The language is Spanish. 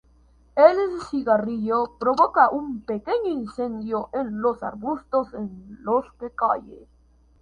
El cigarrillo provoca un pequeño incendio en los arbustos en los que cae.